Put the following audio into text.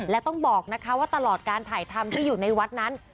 และต้องบอกนะคะว่าตลอดการถ่ายทำที่อยู่ในวัดนั้น